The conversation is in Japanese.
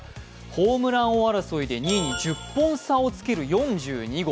ホームラン王争いで２位に１０本差をつける４２号。